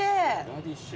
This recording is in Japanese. ラディッシュ。